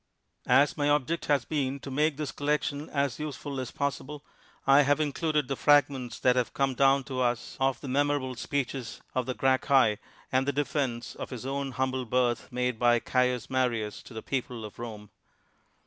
As my object has been to make this collection as useful as possible, I have included the frag ments that have come down to us of the memora ble speeches of the Gracchi and the defense of ^ Y Y I INTRODUCTION his own humble birth made by Caius Marius to the people of Rome.